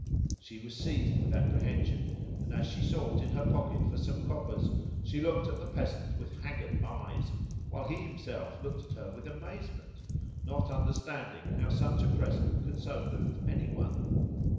She was seized with apprehension, and as she sought in her pocket for some coppers, she looked at the peasant with haggard eyes, while he himself looked at her with amazement, not understanding how such a present could so move anyone.